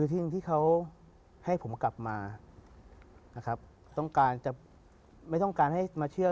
ตายมาแล้วไม่เห็นมาแล้ว